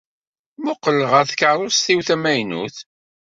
Mmuqqel ɣer tkeṛṛust-iw tamaynut.